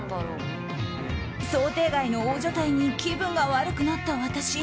想定外の大所帯に気分が悪くなった私。